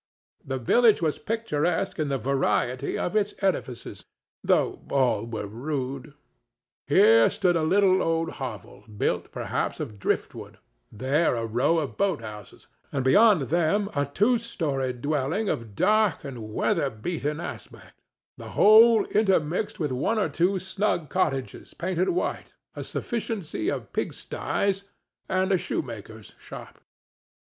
The village was picturesque in the variety of its edifices, though all were rude. Here stood a little old hovel, built, perhaps, of driftwood, there a row of boat houses, and beyond them a two story dwelling of dark and weatherbeaten aspect, the whole intermixed with one or two snug cottages painted white, a sufficiency of pig styes and a shoemaker's shop.